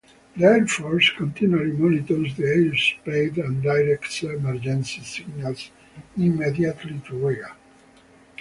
The Air Force continually monitors the airspace and directs emergency signals immediately to Rega.